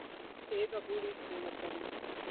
ایک عبوری حکومت بنی۔